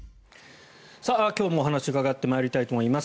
今日もお話を伺ってまいりたいと思います。